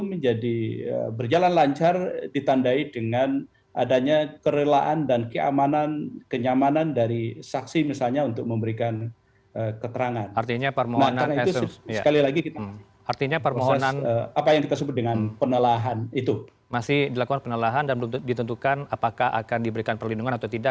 masih dilakukan penelahan dan belum ditentukan apakah akan diberikan perlindungan atau tidak